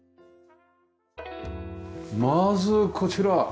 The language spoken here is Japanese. まずこちら。